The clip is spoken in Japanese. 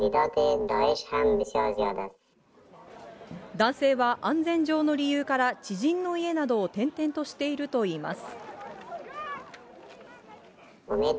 男性は安全上の理由から、知人の家などを転々としているといいます。